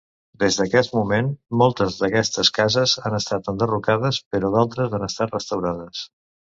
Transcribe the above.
Des d'aquest moment, moltes d'aquestes cases han estat enderrocades, però d'altres han estat restaurades.